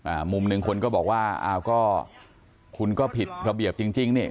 มุมหนึ่งคนก็บอกว่าอ้าวก็คุณก็ผิดระเบียบจริงจริงนี่